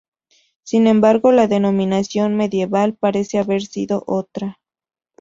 Sin embargo, la denominación medieval parece haber sido otra.